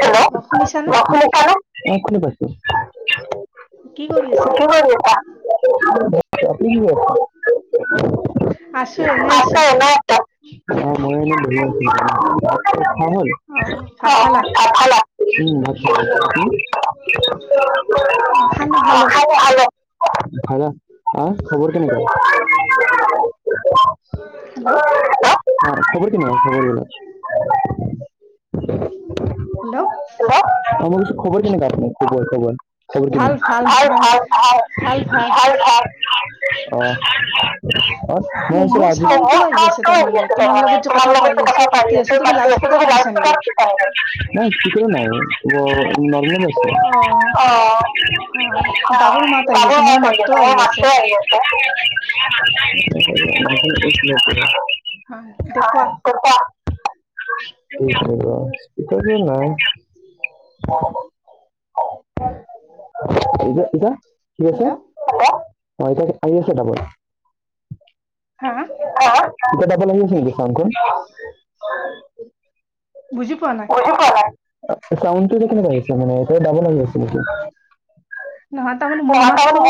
Hello শুনিছা নে? অ শুনি পাইছোঁ। [inaudible] [inaudible] অ মই এনেই বহি আছোঁ। ভাত - চাত খোৱা হ'ল? [inaudible] অ', খালো খালো। [inaudible] আৰু খবৰ কেনেকুৱা? খবৰ কেনেকুৱা খবৰ বিলাক? হেল্ল'অ [inaudible] খবৰ কেনেকুৱা, খবৰ খিনি? ভাল ভাল ভাল। [inaudible] [inaudible] [inaudible] [inaudible] [unintelligible] কৈছিলে পৰা। হয় দেখুৱা। কি? [unintelligible] ইটো যে নাই। [inaudible] এতিয়া ঠিক আছে হেল্ল' অ' এতিয়া আহি আছে ডাবৰ। হা। [unintelligible] ইটা ডাবল আহি আছে নেকি চামখন। বুজি পোৱা নাই। চাউণ্ডটো যে কেনেকুৱা হৈছে মানে এতিয়া ডাবল আহি আছে নেকি? [unintelligible]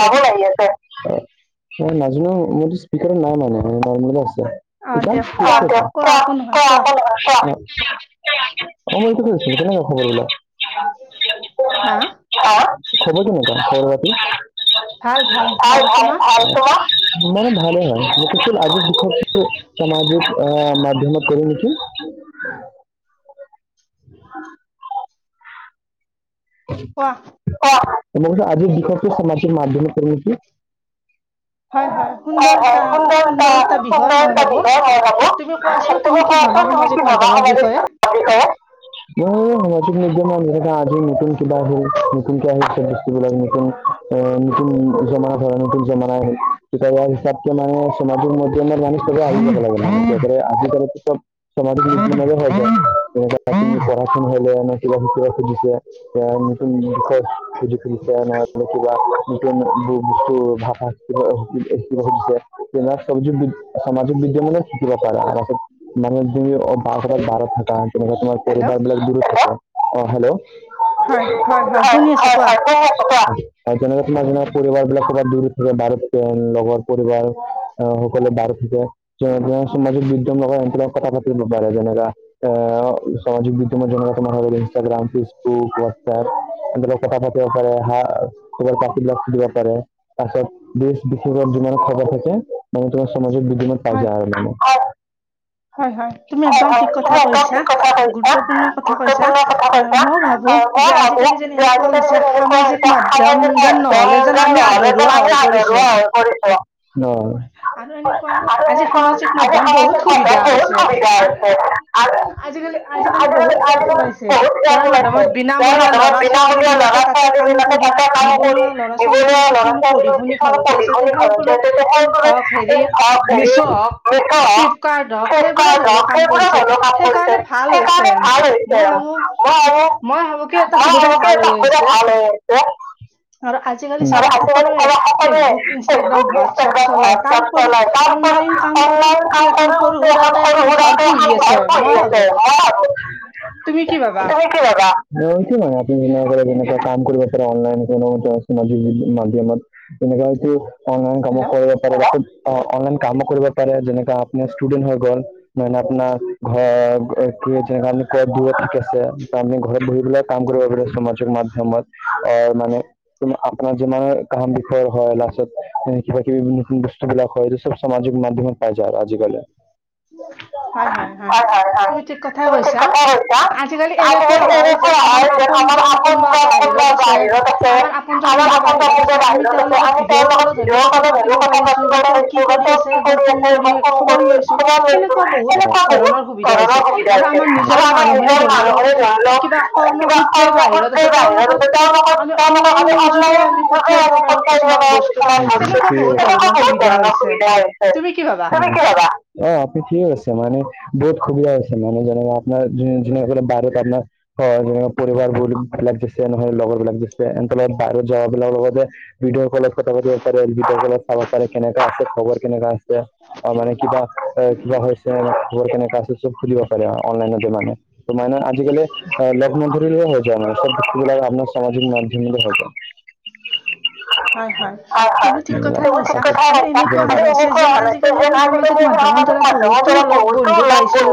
বাবুৰ আহি আছে। অ' নাজানো মোৰতো স্পিকাৰত নাই মানে নৰ্মেলত আছে। ইটা অ' কৰা কৰা ফোন কৰা। [unintelligible] অ'মোৰ এইটোত হৈছি কেনেকৈ খবৰ ল'লা। [unintelligible] হা খবৰ কেনেকুৱা খবৰ পাতি। [unintelligible] সামাজিক অ' মাধমত কৰি আছো। [unintelligible] হয়। কোৱা। আজি দিশতটো সমাজিক মাধ্যম ক হয়-হয় সুন্দৰ এটা সুন্দৰ এটা বিষয় হয় হ'ব। তুমি কোৱাচোন তুমি কি ভাবা সামাজিক মাধ্যমত [unintelligible] আজি নতুন কিবা হ'ল, নতুনকে আহিছে বস্তুবিলাক নতুন অ' নতুন জমা ধৰা নতুন জমা নাই কেতিয়াবা হিচাপতো মানে সমাজিক মাধ্যমত মানি [unintelligible] আজিকালিটো চব সমাজিক [unintelligible] কিবা শিকিব খুজিছে। এয়া নতুন বিষয়ত খুজি ফুৰিছে নহয়তো কিবা নতুন ব বস্তু ভাষা। [unintelligible] শিকিব খুজিছে [unintelligible] মানে তুমি অ' বাত বাৰা থাকা তেনেকুৱা তোমাৰ পৰিবাৰ বিলাক দূৰত থাকা অ হেল্ল' হয়-হয় শুনি আছো কোৱা, কোৱা। তেনেকে তোমাৰ পৰিবাৰ বিলাক পৰা দূৰি থাকে বাৰু পেন লগৰ পৰিবাৰ আহ সকলো বাৰু থাকে। যে সামাজিক বিদ্যম লগত কথা পাতিব পাৰে যেনেকা আহ সামাজিক বিত্তিৰ [unintelligible] জনচনা ইনষ্টাগ্ৰাম [unintelligible] এ কথা পাতিব পাৰে হাঁহ পাতি বিলাক সুধিব পাৰে। তাৰপিছত দেশ-বিষেশত যিমান খবৰ থাকে মানে তোমাৰ সামাজিক বিদিমানত পাই যায় আৰু হয়-হয় তুমি একদম ঠিক কথা কৈছা। গুৰুত্বপূৰ্ণ কথা কৈছা হয় মই ভাবো যে আজিকালি যেন এনেকুৱা হৈছে সামাজিক মাধ্যম যেন নহ'লে যেন আমি আধৰুৱা হৈ পৰিছো। যৌ আৰু এনেকুৱা আজি সামাজিক মাধ্যম বহুত সুবিধা হৈছে। [unintelligible] আজিকালি আজিকালি বহুত এপ ওলাইছে। যাৰ মাধ্যমত বিনামূলীয়া ল'ৰা-ছোৱালী বিলাকে তাতে তাতে কাম কৰি নিবনুৱা ল'ৰা-ছোৱালী কিছুমান পঢ়ি শুনি ঘৰতে আছে। সেই হওঁক, হেৰি মিছৌ হওঁক, ফ্লিপকাৰ্ট হওঁক সেই ফেচবুকত হ'লেও কাম কৰিছে সেইকাৰণে হৈছে। মই ভাবো- মই ভাবো কি এটা সুবিধা ভাল হৈ আহিছে। আৰু আজি- আজিকালি চাবা সকলোৱে ফেচবুক, ইনষ্টাগ্ৰাম, হোৱাটছপ চলাই। তাৰ ওপৰিও অনলাইন কাম কৰেও এখন সৰু- সৰু-সুৰাকে এখন ঘৰ পুহি আছে মই ভাবো, তুমি কি ভাবা? মোৰ মতে'তো নহয়, আপুনিয়ে যেনেকুৱাই কাম কৰিব অনলাইন- [unintelligible] তেনেকুৱা সেইটো অনলাইন কাম কৰে- অনলাইন কামো কৰিব পাৰে যেনেকুৱা আপোনাৰ ষ্টুডেন্ট হৈ গ'ল। মানে আপোনাৰ ঘৰ কি যেনে আঁহ' ক'ত দূৰত থাকি আছে আমি ঘৰত বহি পেলাই- কাম কৰিব [unintelligible] সামাজিক মাধ্যমত। অ', মানে- ত' আপোনাৰ যিমান কাহানি বিষয়ৰ হয় লাষ্টত কিবা-কিবি বিভিন্ন বস্তু বিলাক হয়। সামাজিক মাধ্যমত পাই যায় আৰু আজিকালি। হয়-হয়, তুমি ঠিক কথাই কৈছা। আজিকালি এনেকুৱা হয়- যে আমাৰ আপোনজন কোনবা বাহিৰত আছে, আমাৰ আপো- জন কোনোবা বাহিৰত আছে, আমি তেওঁৰ লগত ভিডিঅ' ক'লত হ'লেও কথা পাতিব পাৰিছোঁ বা তেওঁ- কি কৰি আছে একবাৰ ফোন কৰি খবৰ লৈছো, সেনে- কুৱা বহুত ধৰণৰ সুবিধা হৈছে। আৰু আমাৰ নিজৰ মানুহৰে ধৰি লওঁক কিবা- কৰ্মসূত্ৰে বাহিৰত আছে তেওঁলোকক-তেওঁলোকক আমি- অনলাইন যোগে আমি পঠিয়াই দিব পাৰো কিছুমান বস্তু তেনেকুৱা বহুত ধৰণৰ সুবিধা হৈছে। তুমি কি ভাবা? অঁ', -ঠিকেই আছে যে মানে বহুত সুবিধা- মানুহজনে যেনেক আপোনাৰ [unintelligible] [unintelligible] আপোনাৰ হয়, যেনেকা পৰিবাৰক দিছে, নহ'লে লগৰবিলাক এ' বাহিৰত যাব বিলাকৰ লগতে ভিডিঅ' কলত কথা পাতিব পাৰে, ভিডিঅ' কলত চাব পাৰে কেনেকা আছে, খবৰ কেনেকা আছে। অঁ', মানে কিবা-কিবা হৈছেনে খবৰ কেনেকা আছে চব সুধিব- পাৰে অনলাইনত মানে। আজিকালি ধৰি লওঁক হৈ যায় মানে আপোনাৰ- সামাজিক মাধ্যমেৰে হয়। হয়-হয়, তুমি ঠিক কথাই কৈছা। আৰু এনেকুৱা হৈছে যেন আজিকালি আমি সামাজিক মাধ্যমত- ধৰা বহুতো লগ বন্ধু পাইছো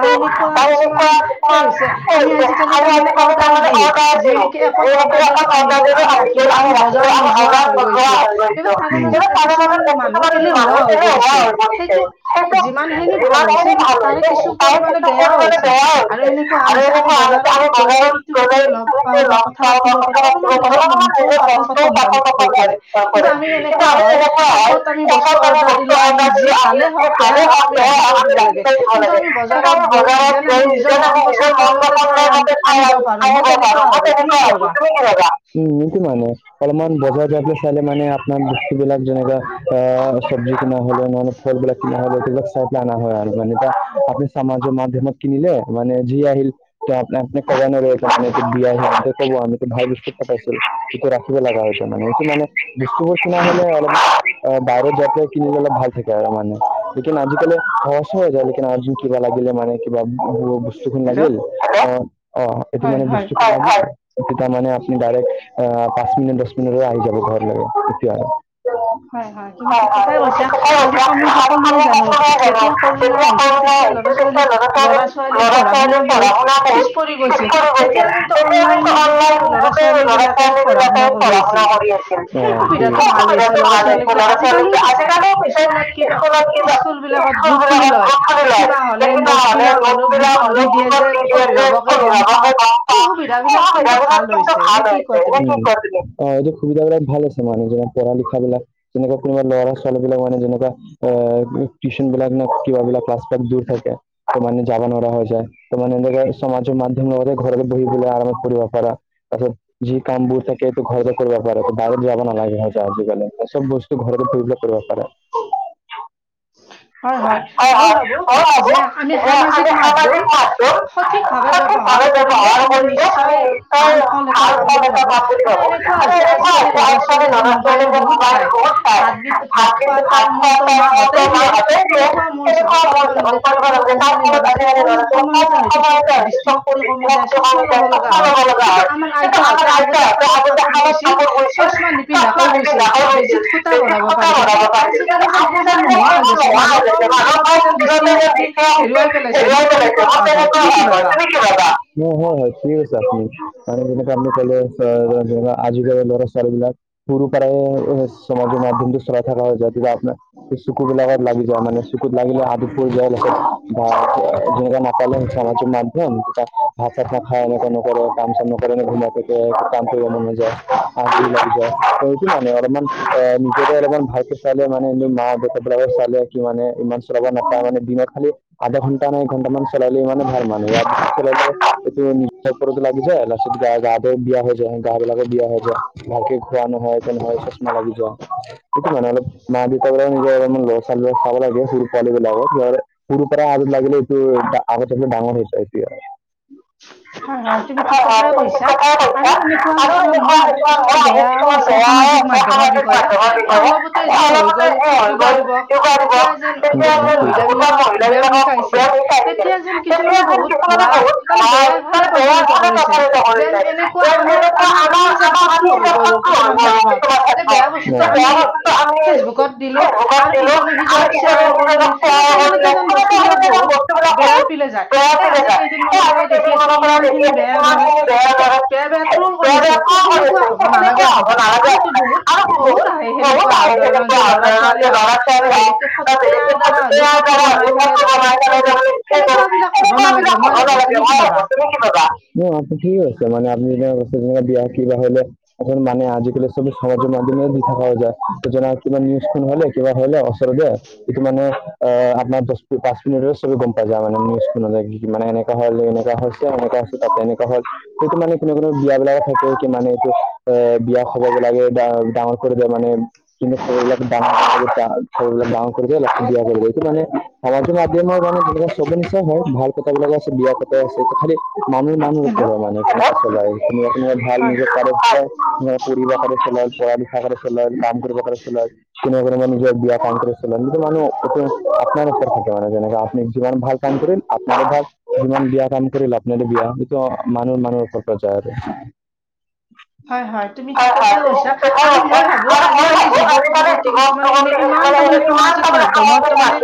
বা এনেকুৱা কিছুমান সেই হৈছে- আমি আজিকালি তাৰমানে অৰ্ডাৰ দিওঁ যি নেকি এপত অৰ্ডাৰ দিলো- আহি গ'ল আমি ৰাখিলো, আমি বজাৰত নো- যোৱা হৈ গৈছো, সেইবোৰ তাৰে মাজত কিছুমান মানুহ এলেহুৱা হৈ গৈছে। সেইটো যিমানখিনি ভাল হৈছে তাৰে কিছু পৰিমণে বেয়া হৈছে। আৰু এনেকুৱা হৈছে আমি বজাৰত- গ'লে ইটো-সিটোৱে লগ পাওঁ বা কথা পাতিব পাৰো অলপমান নিজৰ মনটোও পাতল-পাতল- হৈ পৰে। কিন্তু আমি এনেকুৱা হয় এপত আমি বস্তু অৰ্ডাৰ দিলো আহিল যি ভালে- হওঁক, বেয়াই হওঁক আমি ৰাখি থৈ দিব লাগে। কিন্তু আমি বজাৰত গৈ যেন আমি নিজৰ মন পছন্দ- ৰ মতে চাই আনিব পাৰো মই তেনেকুৱা ভাবো। তুমি কি ভাবা? কোন হয় নো? অলপমান বজাৰ যাব চাই মানে আপোনাৰ বস্তুবিলাক যেনেকুৱা অ' চব্জি কি- যে ফলবিলাক কিনা হয়। সেইবিলাক চাই পেলাই অনা হয় আৰু আপুনি সামাজৰ মাধ্যমত কিনিলে- মানে যি আহিল ত' আপোনাক ক'ব নোৱাৰিম ত' মানে তোক বেয়া আহিল ক'ব আমিতো ভাল বস্তু- পাইছিল, সেইটো ৰাখিব লগা হৈ হৈছে মানে সেইটো মানে বস্তুবোৰ চাই ল'লে অলপ- অ', বাহিৰ যোৱাত কিনিব গ'লে ভাল থাকে আৰু মানে লোকেল আজিকালি সঁচা হৈ যায়, লোকেল আজি- কিবা লাগিলে মানে কিবা বস্তু লাগিল অ অ এইটো মানে বস্তু হয় হয় লাগ তেতিয়া মানে ডাইৰেক্ট আহ পাঁচ মিনিট দহ মিনিটলৈ আহি যাব ঘৰলৈকে সেইটোৱেই আৰু। হয় হয় তুমি ঠিক কথাই কৈছা আৰু আমি সকলোৱে জানো যেতিয়া কৰোণা আহিছিল তেতিয়া লগ ছোৱালীৰ ল'ৰা ছোৱালীৰ পঢ়া শুনা পিছ পৰি গৈছিল তেতিয়া কিন্তু অনলাইন যুগে ল'ৰা ছোৱালী ছোৱালী বিলাকে পঢ়া শুনা কৰি আছিল সেই সুবিধাতটো ভাল হৈছিল। ল'ৰা ছোৱালীে আজিকালিও পিছে স্কুলত কিবা স্কুল বিলাকত গ্ৰুপ খুলি লয় যে কিবা হয় লে নোট বিলাক হলেও গ্ৰুপত দি দিয়ে যে অভিভাৱকে গম পাও সেই সুবিধা বিলাক কিন্তু ভাল হৈছে নে কি কোৱা তুমি? অ', এইটো সুবিধাবলাক ভাল আছে মানুহ যেনে পঢ়া লিখা বিলাক যেনেকুৱা কোনো ল'ৰা বিলাক মানে যেনেকুৱা টিউচন ন কিবাবলাক ক্লাছ দূৰ থাকে মানে যাবা নোৱাৰা হৈ যায় ত মানে এনেকে সমাজৰ মাধ্যমে ঘৰতে বহি পেলায় আৰম্ভ কৰিব পৰা। তাৰপিছত যি কামবোৰ থাকে এইটো ঘৰতে কৰিব পাৰে বাহিৰত যাবা নালাগে আজিকালি। চব বস্তু ঘৰতে বহি পেলায় কৰিব পাৰে। হয় হয় মইয়ো ভাবো যে আমি সামাজিক মাধ্যম সঠিকভাৱে ব্যৱহাৰ কৰিলে আমি নিশ্চয় ভাল ফল এটা পাম বুলি ভাবোঁ। আৰু এনে নেকুৱা হৈছে আজিকালি ল'ৰা ছোৱালীয়ে যেন মোবাইল বহুত চাই ভাত গীত ভাত খোৱা টাইমো মাহঁতে সদায় দিয়ে। সেনেকুৱা মোৰ হিচাপত কৰিব নালাগে তাৰ ফলত আজিকালি ল'ৰা ছোৱালীক কম সময়তে হয়তো চকু দৃষ্টিশ শক্তি কমি যায় চশমা ল'ব লগা হয় কিন্তু আমাৰ আইতাহঁতে আগতে শালত কাপোৰ বৈছিল চমা পিন্ধাকৈ শুইছিল বেজিত খুতা বঢ়াব পাৰিছিল কিন্তু আজিকালি যেন সেইবোৰ নোহোৱা হৈ গৈছে। যে মানুহ কম দিনতে যেন দৃষ্টিশক্তি হেৰুৱাই পেলাইছে মোৰ তেনেকুৱা ভাব হয়। তুমি কি ভাবা? কি ভবা? অ হয় হয় ঠিকে কৈছে আপুনি কাৰন যেনেকেই আপুনি কলে আজি কালি ল'ৰা ছোৱালী বিলাক সৰু পৰাই সামাজিক মাধ্যম চলাই থকা হয়। [inaudible] লাগি যোৱা মানে চুকুত লাগিলে হাত ফুৰি যায় লগত বা যেনেকা নাপালে সামাজিক মাধ্যমাত ভাত চাত নাখাই এনেকে নকৰে কাম চাম নকৰে এনেই ঘোমাই থাকে। কাম কৰিব মন ন যায় আলছি লাগি যায় এইটো মানে অলপমান এ নিজকে অলপমান ভালকে চাইে মানে কি মা দেউতা বিলাক চালে কি মানে ইমান চলাব নাপায় মানে দিনত খালি আধা ঘণ্টা নে এক ঘণ্টা মানে চলালে ইমানে ভাল মানে ইয়াৰ পিছত চলে এইটো নিশ্চয়। সৰুতে লাগি যায় লাষ্টাত গা গাতে বিয়া হৈ যায় গা বিলাকও বিয়া যায় ভালকে খোৱা নহয় একো নহয়। নালাগে যোৱা সেইটো মানে অলপ মা দেউতা বোলে নিজে অলপমান ল ল'ৰা ছোৱালী বিলাক চাব লাগে সৰু পোৱালি বিলাকক। সৰু পৰা আদত লাগিলে এইটো আগত গৈ সেইটো ডাঙৰ যায় সেইটোৱেই আৰু। হয়, হয় তুমি ঠিক কথাই কৈছা আৰু এনেকুৱা কিছুমান মই ভাবো কিছুমান বেয়াও আছে সামাজিক মাধ্যমত মাধ্যমৰ বিষয়ে এ অলপতে যি হৈ গ'ল য়োগা দিৱস। তেতিয়া যেন গোটৰ মহিলা বিলাকক ব্যায়াম শিকাইছিল তেতিয়া যেন কিছুমানে বহুত ভুৱা তাৰমানে বেয়া ভালে প্ৰচলিত কৰিছে। যেন এনেকুৱা আমাৰ আমাৰ আমি যেন শত্ৰু হৈ পৰো কিছুমান ক্ষেত্ৰত। যে বেয়া বস্তুতটো আমি ফেচবুকত দিলো আৰু। ইজনে সিজনক শ্বেয়াৰ কৰিলে সেনেকে সেনেকে যেন বস্তু বিলাক বহুত বেয়া পেলে যায় এ আজি কেইদিনমানানৰ পৰাই দেখি আছোঁ ইমান খিনি বেয়া বেয়াকৈ বেয়া বেয়া ট্ৰল কৰি আছে সেনেকুৱা হ'ব নালাগে আচলতে আৰু কি বহুত বহুত আহে সেনেকুৱা আন্দোলনত যে ল'ৰা ছোৱালী হওক। বা বেলেগকে এ আইৰ দ্বাৰা হলেও ফটো বনাই পেলাই তাৰমানানে সেৰি কৰে। সেনেকুৱা বিলাক হব নালাগে মই ভাবো, তুমি কি ভাবা? কবা অঁ ঠিক আছে মানে আপুনি যেনকে কৈছে বিয়া কিবা হ'লে। অকল মানে আজিকালি চবে সমাজৰ মাধ্যমে দিখা প যায়। কিবা নিউজোন হলে কিবা হ'লে অ [unintelligible] এইটো মানে অ' আপোনাৰ দচ পাঁচ মিনিট চ'বে গ'ম পাই যায় মানে নিউ নহ'লে, কি মানে এনেুৱা হ'ল এনেকুৱা হৈছে, এনেকুৱা হৈছে তাতে এনেকুৱা হ'ল। সেইটো মানে কোনো কোনো বিয়া বিলাকত থাক কি মানে এইটো অ বিয়া খবৰ বিলাগে বা ডাঙৰ কৰি মানে। কিন্তু খবৰ বিলাক দাস বহুত দাম। ডাঙৰ কৰিব লাষ্ট বেয়া কৰিব, এইটো মানে সামাজিক মাধ্যম মানে চবে নিচিনা হয় ভাল। পতা বিলাকো আছে, বিয়া পতাও আছে খালি মানুহে মানুহৰ বাবে মানে কোনোবা কোনোবা ভাল নিজৰ কাৰণে পৰিবেশৰ কাৰণে চলাল, পঢ়া লিখা কাৰণে চলাল, কাম কৰিব কাৰণে চলাল তেনেকুৱা মানে। বিয়া কাম কৰি চলাল, যিটো মানুহ আপোনাৰ ওচৰত থাকে মানে যেনেক আপনি জীৱন ভাল কাম কৰিল আপোনাৰে ভাল যিমান বিয়া কাম কৰিল আপোনাৰে বিয়া সেইটো মানুহ মানুহৰ ওপৰত যায় আৰু হয়, হয় তুমি ঠিক কথাই কৈছা আৰু মই ভাবো আজিকালি যুৱক। যুৱতী কিছোমানে এনেক ইমান তাৰ মানে সামাজিক মাধ্যমত তাৰ মানে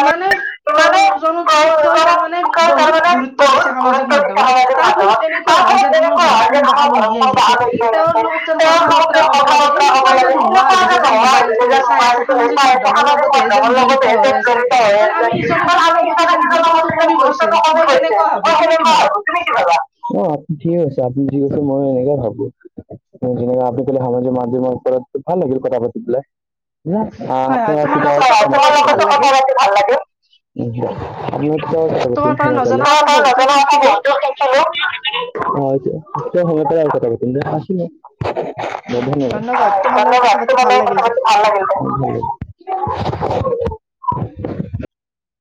ইমানেই প্ৰজনতকৈ তাৰমানে বহুত গুৰুত্ব দিছে সামাজিক মাধ্যমত তাৰ ফলত এনেকুৱা হয় যেন আমাৰ ঘৰত কোনোবা আলহী আহিছে। তেওঁৰ লগত যেন কথা বতৰা ক'ব লাগে সেনেকুৱা যেন নোহোৱা গৈছে যেন মোবাইল টোহে চাই আছে সামাজিক মাধ্যমৰ লগতহে যেন জড়িত হৈ আছে আৰু আমি ইজক সিজনৰ প্ৰতি যেন গুৰুত্বটো কমি গৈছে মই সেনেকুৱা ভাবো, তুমি কি ভাবা? অঁ আপুনি ঠিক আছে আপুনি ঠিক আছে মই এনেকে ভাবো। যেনেকে আপনি ভাবে যে সামাজিক মাধ্যমৰ ওপৰত ভাল লাগিল কথা পাতি পেলালে। ও অঁ আপোনাৰ কিবা [unintelligible] লগতো কথা পাতি ভাল লাগে। উচোন সনোলে। [unintelligible] হয় দিয়া, এতিয়াও হ'ব পাৰা, তুমি যেন আছিলে। ধন্যবাদ। ধন্যবাদ, তোমাৰ কথা পাতি ভাল লাগিলে।